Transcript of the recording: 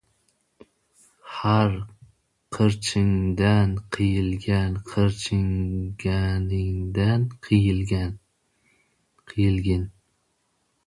Ha, qirchiningdan qiyilgin, qirchinginangdan qiyilgin!